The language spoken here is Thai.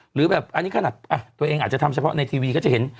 หรือแบบอันนี้ขนาดตัวเองอาจจะทำเฉพาะในทีวีก็จะเห็น